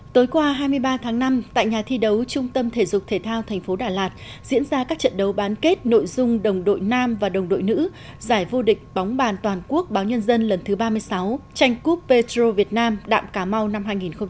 tối qua hai mươi ba tháng năm tại nhà thi đấu trung tâm thể dục thể thao tp đà lạt diễn ra các trận đấu bán kết nội dung đồng đội nam và đồng đội nữ giải vô địch bóng bàn toàn quốc báo nhân dân lần thứ ba mươi sáu tranh cúp petro việt nam đạm cà mau năm hai nghìn một mươi chín